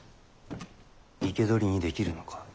生け捕りにできるのか？